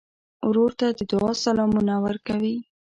ورور ته د دعا سلامونه ورکوې.